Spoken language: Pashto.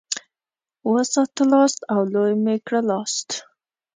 وساتلاست او لوی مي کړلاست.